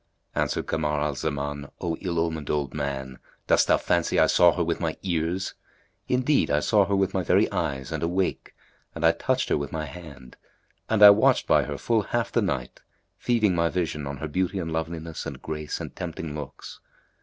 Answered Kamar al Zaman, "O ill omened old man, dost thou fancy I saw her with my ears? Indeed, I saw her with my very eyes and awake, and I touched her with my hand, and I watched by her full half the night, feeding my vision on her beauty and loveliness and grace and tempting looks.